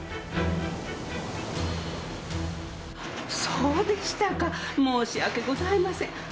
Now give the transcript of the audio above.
そうでしたか申し訳ございません